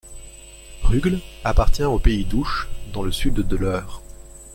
Rugles appartient au pays d'Ouche, dans le sud de l'Eure.